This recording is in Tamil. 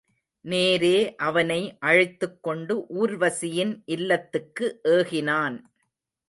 நேரே அவனை அழைத்துக் கொண்டு ஊர்வசியின் இல்லத்துக்கு ஏகினான்.